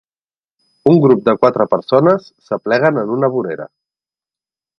Un grup de quatre persones s'apleguen en una vorera.